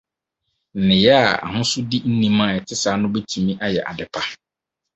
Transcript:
Nneyɛe a ahosodi nnim a ɛte saa no betumi ayɛ adepa?